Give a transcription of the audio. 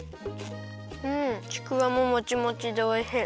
ちくわももちもちでおいしい。